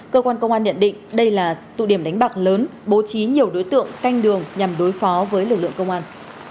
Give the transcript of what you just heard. cơ quan công an nhận định đây là tụ điểm đánh bạc lớn bố trí nhiều đối tượng canh đường nhằm đối phó với lực lượng công an